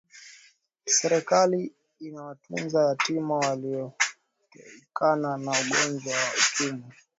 seriakali inawatunza yatima yaliyotoikana na ugongwa wa ukimwi